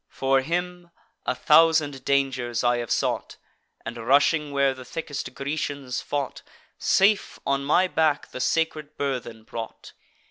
For him, a thousand dangers I have sought, And, rushing where the thickest Grecians fought, Safe on my back the sacred burthen brought.